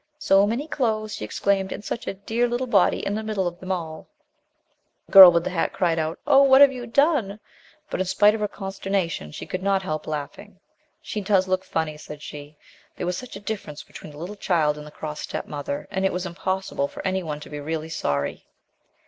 "So many clothes," she exclaimed, "and such a dear little body in the middle of them all !" The girl with the hat cried out, "Oh, what have you done!" But, in spite of her consternation, she could not help laughing. "She does look funny," said she. There was such a difference between the little child and the cross step mother, that it was impossible for any one to be really sorry.